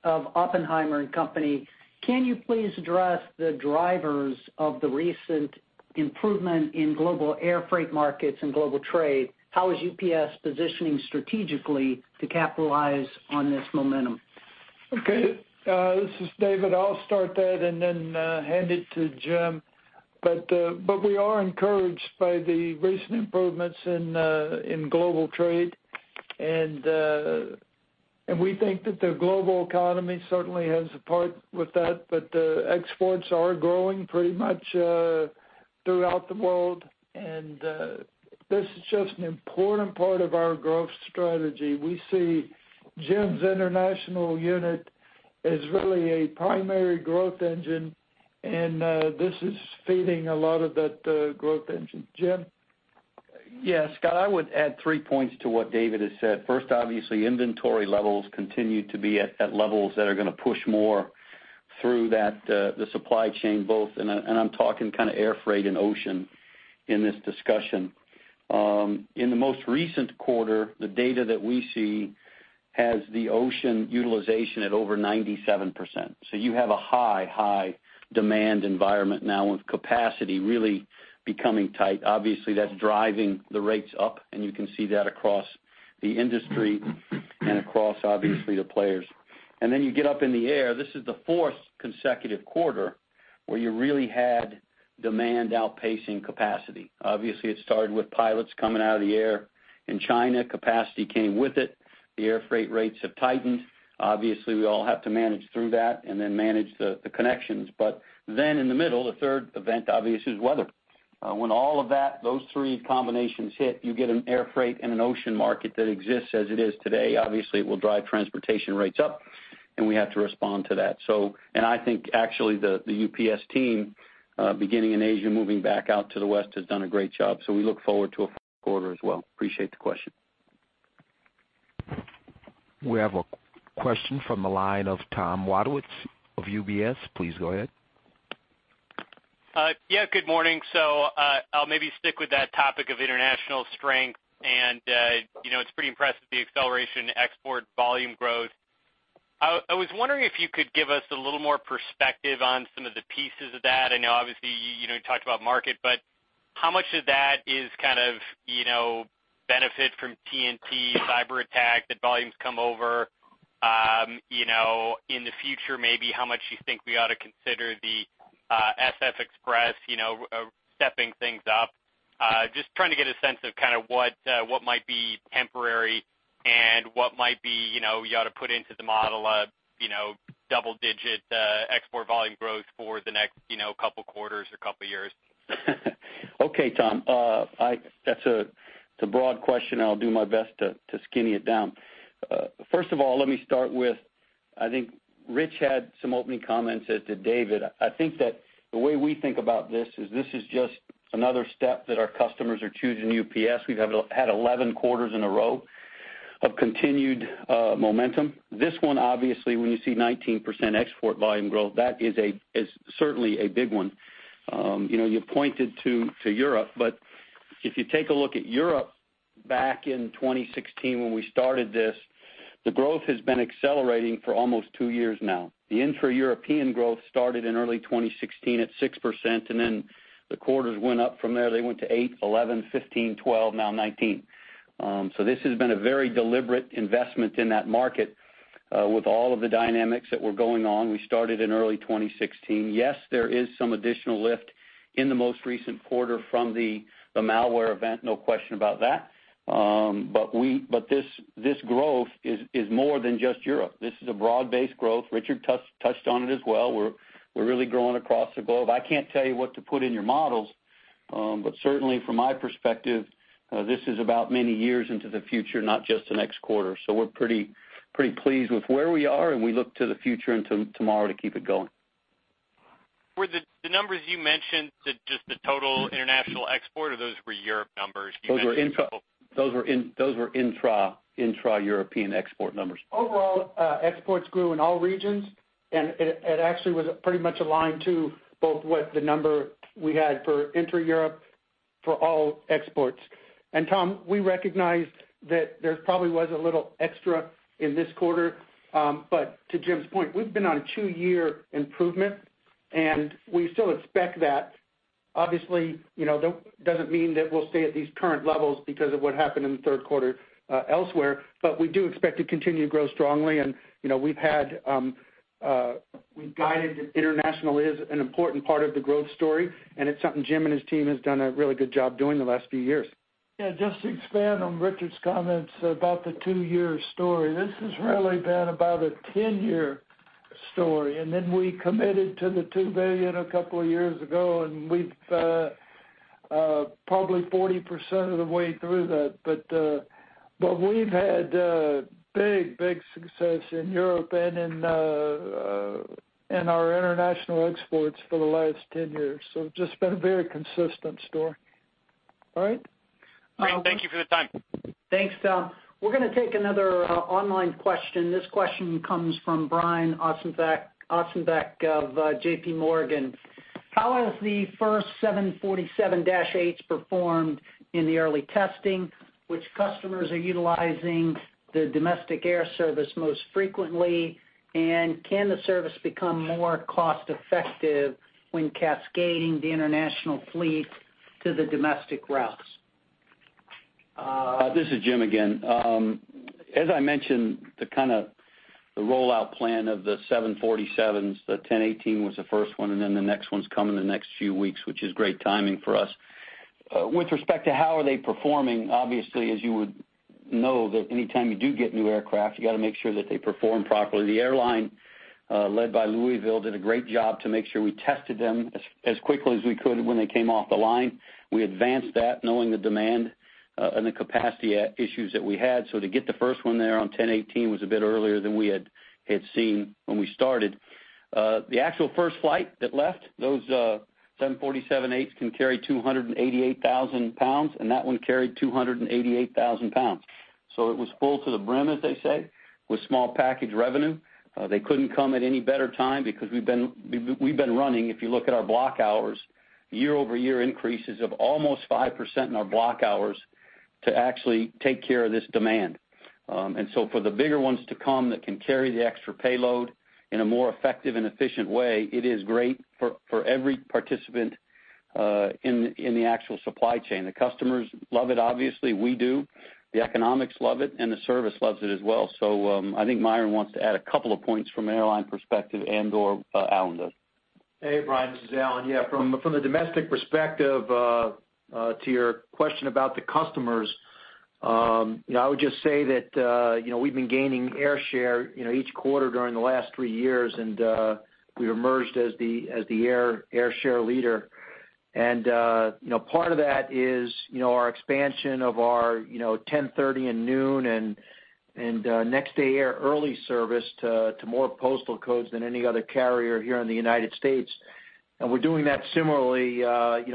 Oppenheimer and Company. Can you please address the drivers of the recent improvement in global air freight markets and global trade? How is UPS positioning strategically to capitalize on this momentum? Okay. This is David. I'll start that and then hand it to Jim. We are encouraged by the recent improvements in global trade. We think that the global economy certainly has a part with that. Exports are growing pretty much throughout the world. This is just an important part of our growth strategy. We see Jim's international unit as really a primary growth engine, and this is feeding a lot of that growth engine. Jim? Yeah, Scott, I would add three points to what David has said. First, obviously, inventory levels continue to be at levels that are going to push more through the supply chain both, and I'm talking air freight and ocean in this discussion. In the most recent quarter, the data that we see has the ocean utilization at over 97%. You have a high demand environment now with capacity really becoming tight. Obviously, that's driving the rates up, and you can see that across the industry and across, obviously, the players. Then you get up in the air. This is the fourth consecutive quarter where you really had demand outpacing capacity. Obviously, it started with pilots coming out of the air in China. Capacity came with it. The air freight rates have tightened. Obviously, we all have to manage through that and then manage the connections. In the middle, the third event, obviously, is weather. When all of those three combinations hit, you get an air freight and an ocean market that exists as it is today. Obviously, it will drive transportation rates up, and we have to respond to that. I think, actually, the UPS team, beginning in Asia, moving back out to the West, has done a great job. We look forward to a quarter as well. Appreciate the question. We have a question from the line of Thomas Wadewitz of UBS. Please go ahead. Good morning. I'll maybe stick with that topic of international strength, and it's pretty impressive, the acceleration export volume growth. I was wondering if you could give us a little more perspective on some of the pieces of that. I know, obviously, you talked about market, but how much of that is benefit from TNT cyberattack that volumes come over? In the future, maybe how much you think we ought to consider the SF Express stepping things up? Just trying to get a sense of what might be temporary and what might be you ought to put into the model of double-digit export volume growth for the next couple of quarters or couple of years. Okay, Tom. That's a broad question. I'll do my best to skinny it down. First of all, let me start with, I think Rich had some opening comments as did David. The way we think about this is this is just another step that our customers are choosing UPS. We've had 11 quarters in a row of continued momentum. This one, obviously, when you see 19% export volume growth, that is certainly a big one. You pointed to Europe. If you take a look at Europe back in 2016 when we started this, the growth has been accelerating for almost two years now. The intra-European growth started in early 2016 at 6%. The quarters went up from there. They went to eight, 11, 15, 12, now 19. This has been a very deliberate investment in that market with all of the dynamics that were going on. We started in early 2016. Yes, there is some additional lift in the most recent quarter from the malware event, no question about that. This growth is more than just Europe. This is a broad-based growth. Richard touched on it as well. We're really growing across the globe. I can't tell you what to put in your models. Certainly from my perspective, this is about many years into the future, not just the next quarter. We're pretty pleased with where we are. We look to the future and to tomorrow to keep it going. Were the numbers you mentioned just the total international export, or those were Europe numbers? Those were intra-European export numbers. Overall, exports grew in all regions, it actually was pretty much aligned to both what the number we had for intra-Europe for all exports. Tom, we recognized that there probably was a little extra in this quarter. To Jim's point, we've been on a two-year improvement, and we still expect that. Obviously, that doesn't mean that we'll stay at these current levels because of what happened in the third quarter elsewhere. We do expect to continue to grow strongly, and we've guided that international is an important part of the growth story, and it's something Jim and his team has done a really good job doing the last few years. Yeah, just to expand on Richard's comments about the two-year story. This has really been about a 10-year story, then we committed to the $2 billion a couple of years ago, and we're probably 40% of the way through that. We've had big success in Europe and in our international exports for the last 10 years. It's just been a very consistent story. All right? Great. Thank you for the time. Thanks, Tom. We're going to take another online question. This question comes from Brian Ossenbeck of J.P. Morgan. How has the first 747-8s performed in the early testing? Which customers are utilizing the domestic air service most frequently? Can the service become more cost-effective when cascading the international fleet to the domestic routes? This is Jim again. As I mentioned, the rollout plan of the 747s, the 10/18 was the first one, then the next one's coming the next few weeks, which is great timing for us. With respect to how are they performing, obviously, as you would know that any time you do get new aircraft, you got to make sure that they perform properly. The airline led by Louisville did a great job to make sure we tested them as quickly as we could when they came off the line. We advanced that knowing the demand and the capacity issues that we had. To get the first one there on 10/18 was a bit earlier than we had seen when we started. The actual first flight that left those 747-8s can carry 288,000 pounds, and that one carried 288,000 pounds. It was full to the brim, as they say, with small package revenue. They couldn't come at any better time because we've been running, if you look at our block hours, year-over-year increases of almost 5% in our block hours to actually take care of this demand. For the bigger ones to come that can carry the extra payload in a more effective and efficient way, it is great for every participant in the actual supply chain. The customers love it, obviously, we do, the economics love it, and the service loves it as well. I think Myron wants to add a couple of points from an airline perspective and/or Alan does. Hey, Brian. This is Alan. From the domestic perspective, to your question about the customers, I would just say that we've been gaining air share each quarter during the last three years, and we've emerged as the air share leader. Part of that is our expansion of our 10:30 and noon and Next Day Air Early service to more postal codes than any other carrier here in the U.S. We're doing that similarly with our UPS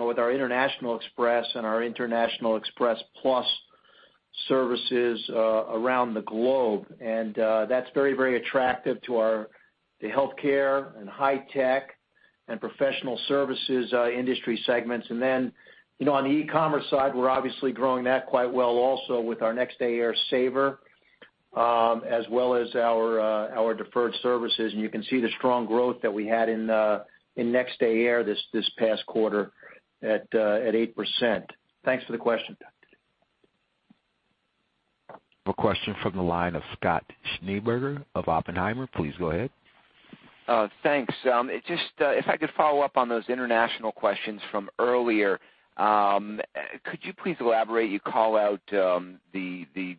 Worldwide Express and our UPS Worldwide Express Plus services around the globe. That's very attractive to the healthcare and high tech and professional services industry segments. On the e-commerce side, we're obviously growing that quite well also with our Next Day Air Saver, as well as our deferred services. You can see the strong growth that we had in Next Day Air this past quarter at 8%. Thanks for the question. A question from the line of Scott Schneeberger of Oppenheimer. Please go ahead. Thanks. If I could follow up on those international questions from earlier, could you please elaborate, you call out the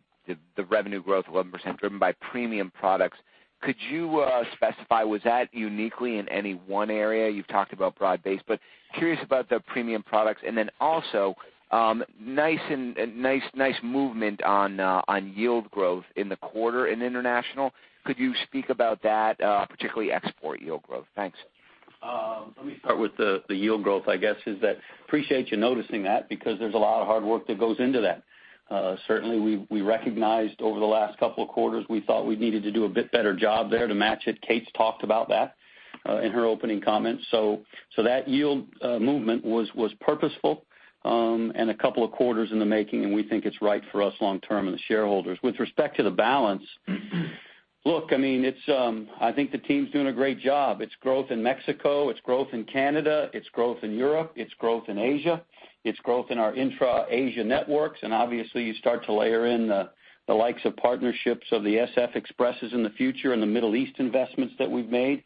revenue growth, 11% driven by premium products. Could you specify, was that uniquely in any one area? You've talked about broad-based, but curious about the premium products. Then also, nice movement on yield growth in the quarter in international. Could you speak about that, particularly export yield growth? Thanks. Let me start with the yield growth, I guess, appreciate you noticing that because there's a lot of hard work that goes into that. Certainly, we recognized over the last couple of quarters, we thought we needed to do a bit better job there to match it. Kate's talked about that in her opening comments. That yield movement was purposeful, and a couple of quarters in the making, and we think it's right for us long term and the shareholders. With respect to the balance, look, I think the team's doing a great job. It's growth in Mexico, it's growth in Canada, it's growth in Europe, it's growth in Asia. It's growth in our intra-Asia networks, and obviously you start to layer in the likes of partnerships of the SF Expresses in the future and the Middle East investments that we've made.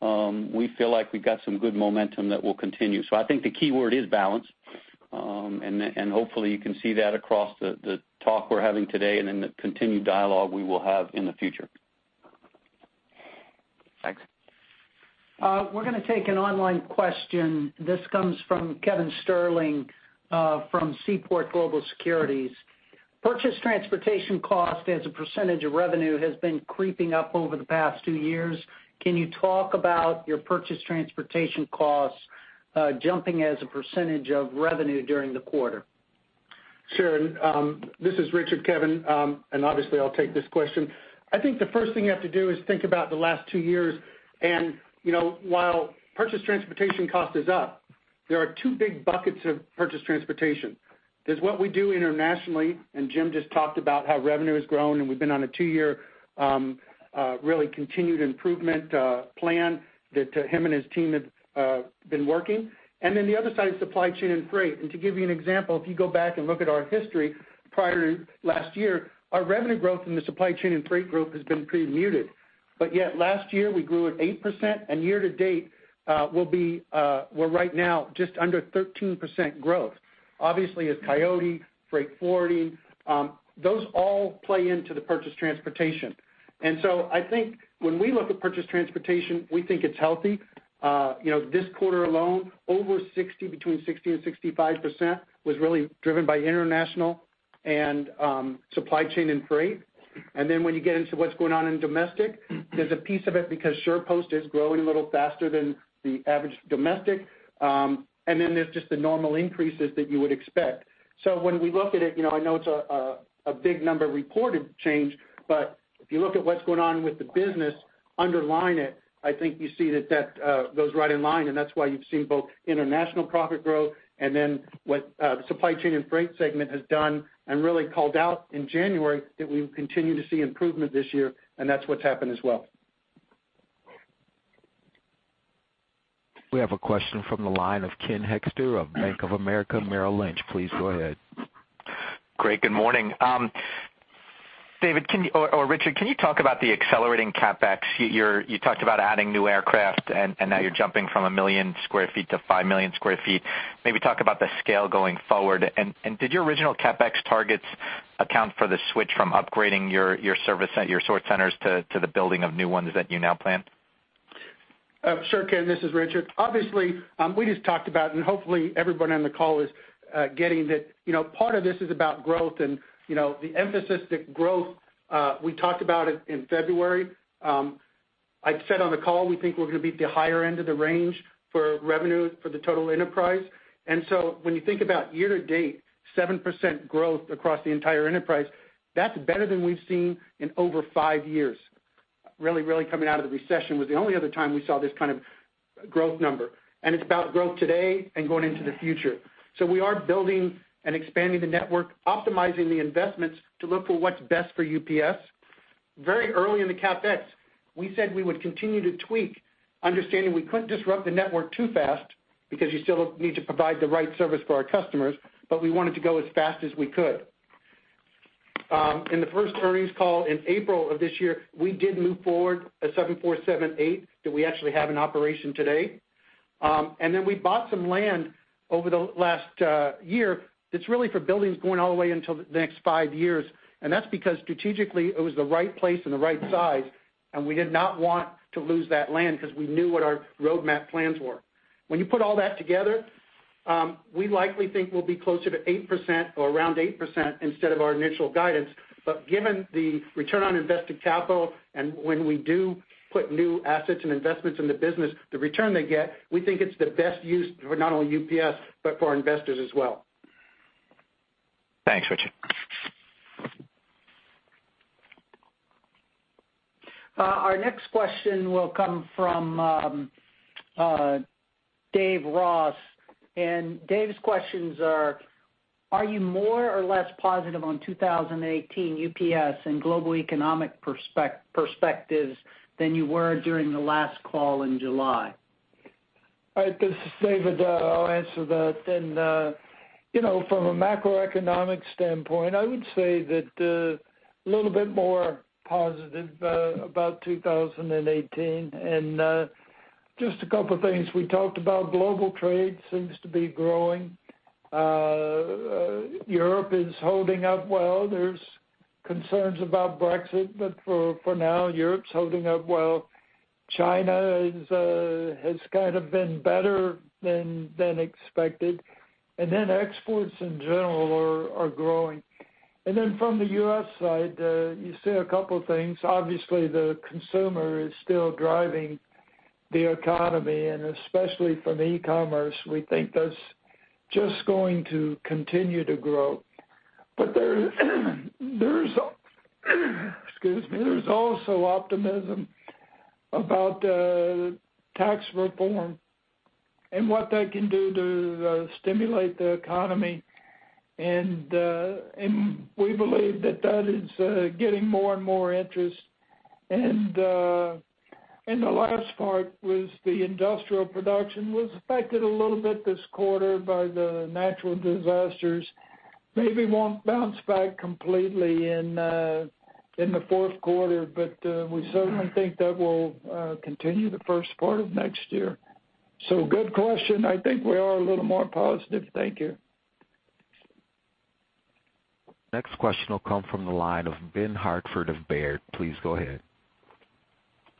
We feel like we got some good momentum that will continue. I think the key word is balance. Hopefully you can see that across the talk we're having today and in the continued dialogue we will have in the future. Thanks. We're going to take an online question. This comes from Kevin Sterling from Seaport Global Securities. Purchase transportation cost as a % of revenue has been creeping up over the past two years. Can you talk about your purchase transportation costs jumping as a % of revenue during the quarter? Sure. This is Richard, Kevin. Obviously, I'll take this question. I think the first thing you have to do is think about the last two years. While purchase transportation cost is up, there are two big buckets of purchase transportation. There's what we do internationally. Jim just talked about how revenue has grown, and we've been on a two-year really continued improvement plan that him and his team have been working. The other side is Supply Chain & Freight. To give you an example, if you go back and look at our history prior to last year, our revenue growth in the Supply Chain & Freight group has been pretty muted. Yet last year we grew at 8%, and year to date, we're right now just under 13% growth. As Coyote, Freight Forwarding, those all play into the purchase transportation. I think when we look at purchase transportation, we think it's healthy. This quarter alone, between 60%-65% was really driven by international and Supply Chain & Freight. When you get into what's going on in domestic, there's a piece of it because SurePost is growing a little faster than the average domestic. There's just the normal increases that you would expect. When we look at it, I know it's a big number reported change, but if you look at what's going on with the business underlying it, I think you see that goes right in line, and that's why you've seen both international profit growth and what the Supply Chain & Freight segment has done and really called out in January that we would continue to see improvement this year, and that's what's happened as well. We have a question from the line of Ken Hoexter of Bank of America Merrill Lynch. Please go ahead. Great. Good morning. David or Richard, can you talk about the accelerating CapEx? You talked about adding new aircraft and now you're jumping from 1 million square feet to 5 million square feet. Maybe talk about the scale going forward. Did your original CapEx targets account for the switch from upgrading your sort centers to the building of new ones that you now plan? Sure, Ken, this is Richard. Obviously, we just talked about, hopefully everybody on the call is getting that part of this is about growth and the emphasis that growth, we talked about it in February. I said on the call, we think we're going to be at the higher end of the range for revenue for the total enterprise. When you think about year to date- 7% growth across the entire enterprise. That's better than we've seen in over 5 years. Really coming out of the recession was the only other time we saw this kind of growth number, it's about growth today and going into the future. We are building and expanding the network, optimizing the investments to look for what's best for UPS. Very early in the CapEx, we said we would continue to tweak, understanding we couldn't disrupt the network too fast because you still need to provide the right service for our customers, but we wanted to go as fast as we could. In the first earnings call in April of this year, we did move forward a 747-8 that we actually have in operation today. We bought some land over the last year that's really for buildings going all the way until the next 5 years, that's because strategically it was the right place and the right size, we did not want to lose that land because we knew what our roadmap plans were. When you put all that together, we likely think we'll be closer to 8% or around 8% instead of our initial guidance. Given the return on invested capital, when we do put new assets and investments in the business, the return they get, we think it's the best use for not only UPS, but for our investors as well. Thanks, Richard. Our next question will come from David Ross. David's questions are: Are you more or less positive on 2018 UPS and global economic perspectives than you were during the last call in July? All right, this is David. I'll answer that then. From a macroeconomic standpoint, I would say that a little bit more positive about 2018. Just a couple of things we talked about, global trade seems to be growing. Europe is holding up well. There's concerns about Brexit, but for now, Europe's holding up well. China has kind of been better than expected. Exports in general are growing. From the U.S. side, you see a couple of things. Obviously, the consumer is still driving the economy, and especially from e-commerce, we think that's just going to continue to grow. There's excuse me, there's also optimism about tax reform and what that can do to stimulate the economy, and we believe that that is getting more and more interest. The last part was the Industrial Production was affected a little bit this quarter by the natural disasters. Maybe won't bounce back completely in the fourth quarter, but we certainly think that will continue the first part of next year. Good question. I think we are a little more positive. Thank you. Next question will come from the line of Benjamin Hartford of Baird. Please go ahead.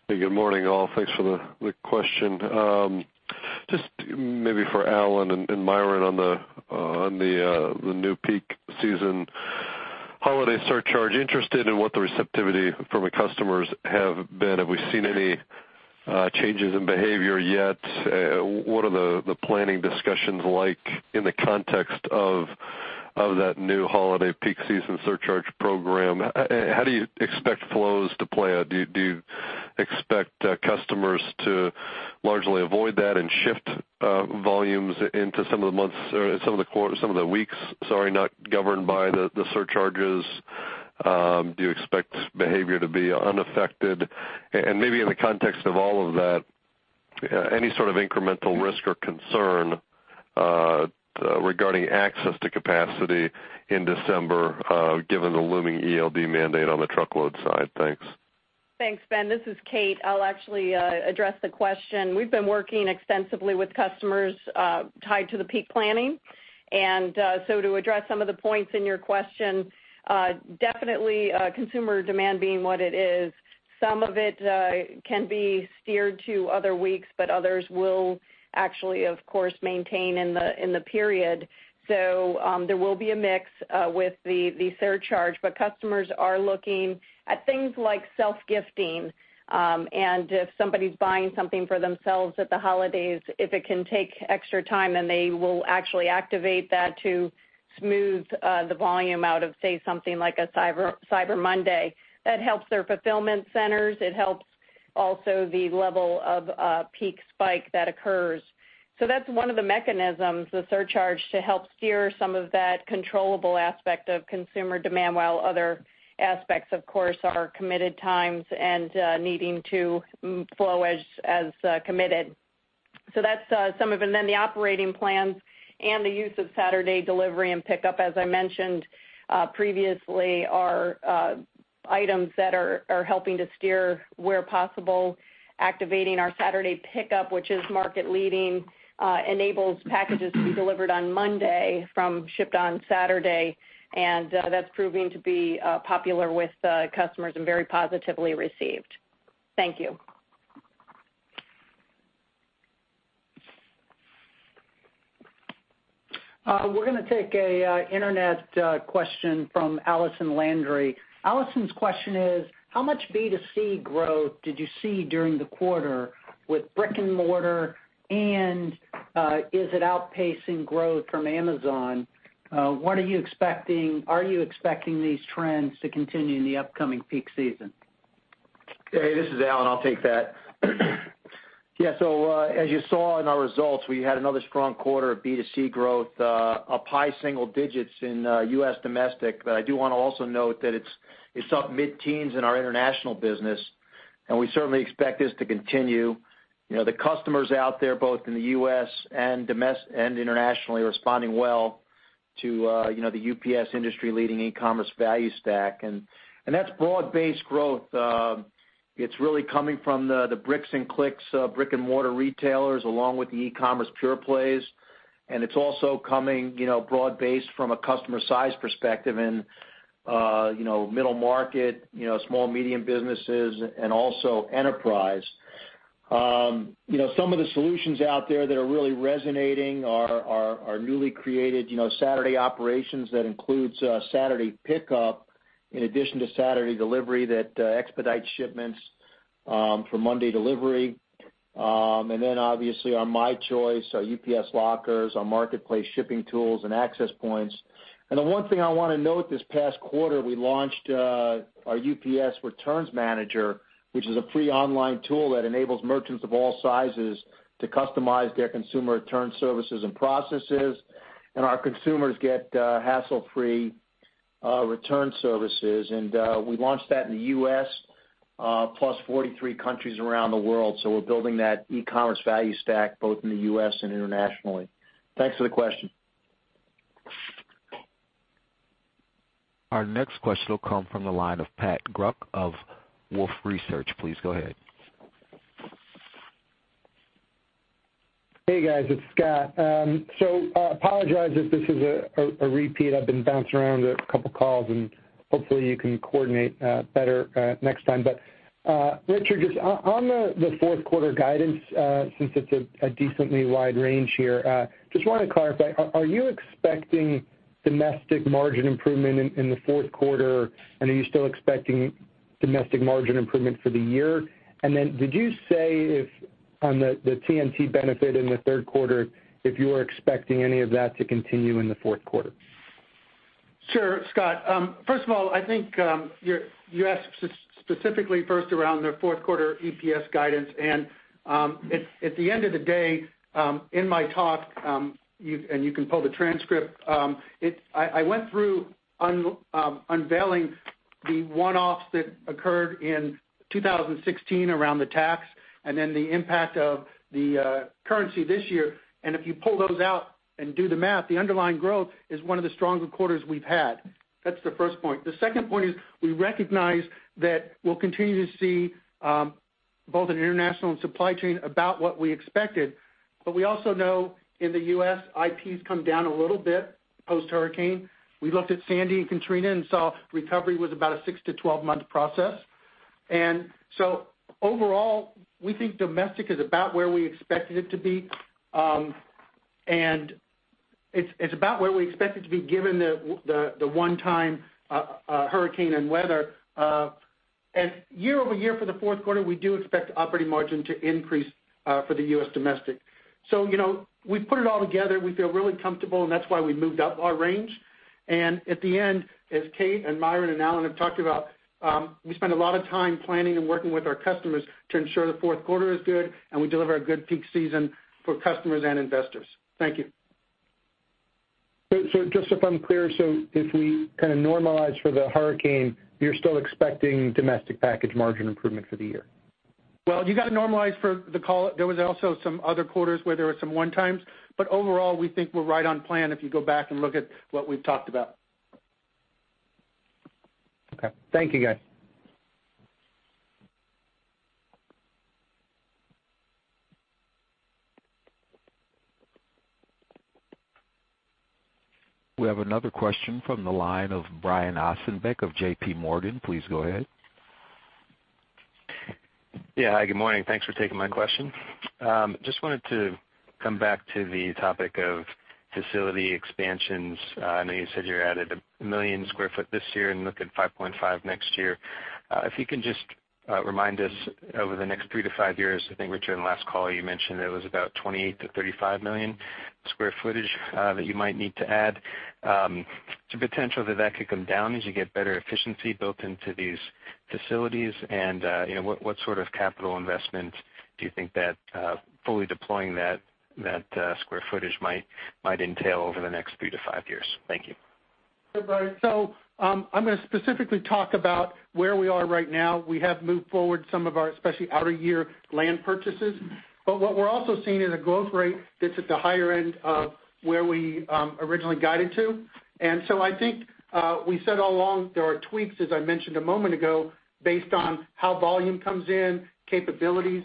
Hey, good morning, all. Thanks for the question. Just maybe for Alan and Myron on the new Peak Season Holiday Surcharge, interested in what the receptivity from the customers have been. Have we seen any changes in behavior yet? What are the planning discussions like in the context of that new Holiday Peak Season Surcharge program? How do you expect flows to play out? Do you expect customers to largely avoid that and shift volumes into some of the months or some of the weeks, sorry, not governed by the surcharges? Do you expect behavior to be unaffected? Maybe in the context of all of that, any sort of incremental risk or concern regarding access to capacity in December given the looming ELD mandate on the truckload side? Thanks. Thanks, Ben. This is Kate. I'll actually address the question. We've been working extensively with customers tied to the peak planning. To address some of the points in your question, definitely consumer demand being what it is, some of it can be steered to other weeks, but others will actually, of course, maintain in the period. There will be a mix with the surcharge, but customers are looking at things like self-gifting. If somebody's buying something for themselves at the holidays, if it can take extra time, and they will actually activate that to smooth the volume out of, say, something like a Cyber Monday. That helps their fulfillment centers. It helps also the level of peak spike that occurs. That's one of the mechanisms, the surcharge, to help steer some of that controllable aspect of consumer demand, while other aspects, of course, are committed times and needing to flow as committed. That's some of it. Then the operating plans and the use of Saturday Delivery and Pickup, as I mentioned previously, are items that are helping to steer where possible. Activating our Saturday Pickup, which is market leading, enables packages to be delivered on Monday from shipped on Saturday, and that's proving to be popular with customers and very positively received. Thank you. We're going to take an internet question from Allison Landry. Allison's question is how much B2C growth did you see during the quarter with brick and mortar and is it outpacing growth from Amazon? What are you expecting? Are you expecting these trends to continue in the upcoming peak season? Hey, this is Alan. I'll take that. As you saw in our results, we had another strong quarter of B2C growth, up high single digits in U.S. domestic. I do want to also note that it's up mid-teens in our international business, and we certainly expect this to continue. The customers out there, both in the U.S. and internationally, are responding well to the UPS industry-leading e-commerce value stack. That's broad-based growth. It's really coming from the bricks and clicks, brick and mortar retailers, along with the e-commerce pure plays. It's also coming broad-based from a customer size perspective and middle market, small, medium businesses, and also enterprise. Some of the solutions out there that are really resonating are our newly created Saturday operations. That includes Saturday pickup in addition to Saturday delivery that expedites shipments for Monday delivery. Obviously our My Choice, our UPS lockers, our marketplace shipping tools, and Access Points. The one thing I want to note this past quarter, we launched our UPS Returns Manager, which is a free online tool that enables merchants of all sizes to customize their consumer return services and processes, and our consumers get hassle-free return services. We launched that in the U.S., plus 43 countries around the world. We're building that e-commerce value stack both in the U.S. and internationally. Thanks for the question. Our next question will come from the line of Scott Group of Wolfe Research. Please go ahead. Hey, guys, it's Scott. Apologize if this is a repeat. I've been bounced around a couple of calls and hopefully you can coordinate better next time. Richard, just on the fourth quarter guidance, since it's a decently wide range here, just want to clarify, are you expecting domestic margin improvement in the fourth quarter, and are you still expecting domestic margin improvement for the year? Did you say if on the TNT benefit in the third quarter if you are expecting any of that to continue in the fourth quarter? Sure, Scott. First of all, I think you asked specifically first around the fourth quarter EPS guidance. At the end of the day, in my talk, and you can pull the transcript, I went through unveiling the one-offs that occurred in 2016 around the tax and then the impact of the currency this year. If you pull those out and do the math, the underlying growth is one of the stronger quarters we've had. That's the first point. The second point is we recognize that we'll continue to see both an international and supply chain about what we expected. We also know in the U.S., IPs come down a little bit post-hurricane. We looked at Sandy and Katrina and saw recovery was about a six to 12-month process. Overall, we think domestic is about where we expected it to be. It's about where we expect it to be given the one-time hurricane and weather. Year-over-year for the fourth quarter, we do expect operating margin to increase for the U.S. domestic. We put it all together. We feel really comfortable, and that's why we moved up our range. At the end, as Kate and Myron and Alan have talked about, we spend a lot of time planning and working with our customers to ensure the fourth quarter is good and we deliver a good peak season for customers and investors. Thank you. If I'm clear, if we kind of normalize for the Hurricane, you're still expecting domestic package margin improvement for the year? You got to normalize for the call. There was also some other quarters where there were some one times, overall, we think we're right on plan if you go back and look at what we've talked about. Thank you, guys. We have another question from the line of Brian Ossenbeck of J.P. Morgan. Please go ahead. Yeah. Hi, good morning. Thanks for taking my question. Just wanted to come back to the topic of facility expansions. I know you said you added 1 million square feet this year and look at 5.5 million next year. If you can just remind us over the next 3-5 years, I think, Richard, in the last call you mentioned it was about 28 million-35 million square footage that you might need to add. Is there potential that that could come down as you get better efficiency built into these facilities? What sort of capital investment do you think that fully deploying that square footage might entail over the next 3-5 years? Thank you. Hey, Brian. I'm going to specifically talk about where we are right now. We have moved forward some of our especially outer year land purchases. What we're also seeing is a growth rate that's at the higher end of where we originally guided to. I think we said all along there are tweaks, as I mentioned a moment ago, based on how volume comes in, capabilities.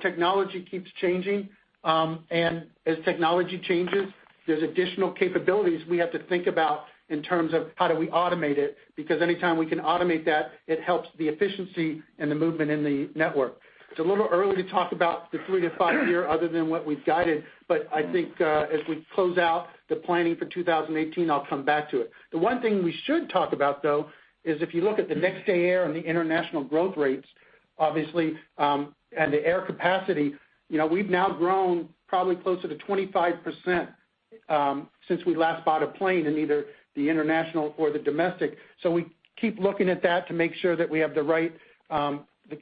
Technology keeps changing. As technology changes, there's additional capabilities we have to think about in terms of how do we automate it. Because anytime we can automate that, it helps the efficiency and the movement in the network. It's a little early to talk about the 3-5 year other than what we've guided, but I think as we close out the planning for 2018, I'll come back to it. The one thing we should talk about, though, is if you look at the Next Day Air and the international growth rates Obviously, the air capacity. We've now grown probably closer to 25% since we last bought a plane in either the international or the domestic. We keep looking at that to make sure that we have the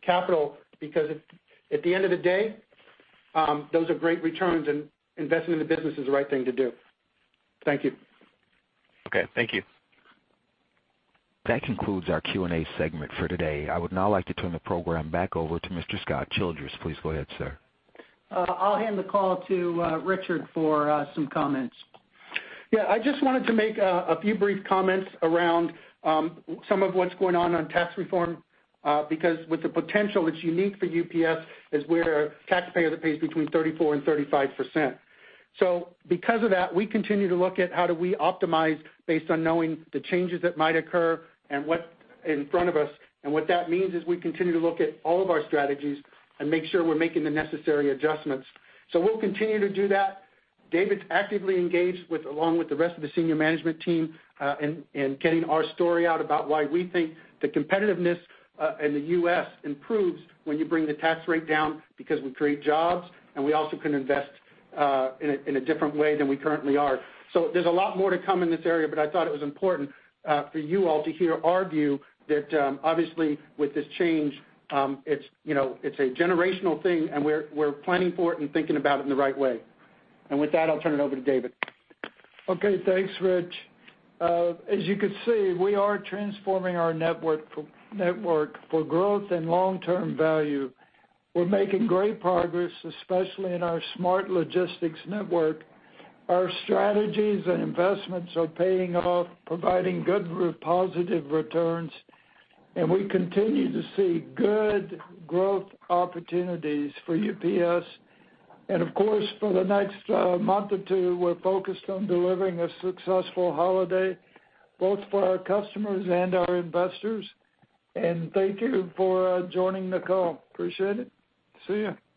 capital, because at the end of the day, those are great returns, and investing in the business is the right thing to do. Thank you. Okay. Thank you. That concludes our Q&A segment for today. I would now like to turn the program back over to Mr. Scott Childress. Please go ahead, sir. I'll hand the call to Richard for some comments. Yeah. With the potential that's unique for UPS is we're a taxpayer that pays between 34%-35%. Because of that, we continue to look at how do we optimize based on knowing the changes that might occur and what's in front of us. What that means is we continue to look at all of our strategies and make sure we're making the necessary adjustments. We'll continue to do that. David's actively engaged, along with the rest of the senior management team, in getting our story out about why we think the competitiveness in the U.S. improves when you bring the tax rate down because we create jobs, and we also can invest in a different way than we currently are. There's a lot more to come in this area, but I thought it was important for you all to hear our view that, obviously, with this change, it's a generational thing, and we're planning for it and thinking about it in the right way. With that, I'll turn it over to David. Okay, thanks, Rich. As you can see, we are transforming our network for growth and long-term value. We're making great progress, especially in our smart logistics network. Our strategies and investments are paying off, providing good positive returns, we continue to see good growth opportunities for UPS. Of course, for the next month or two, we're focused on delivering a successful holiday, both for our customers and our investors. Thank you for joining the call. Appreciate it. See you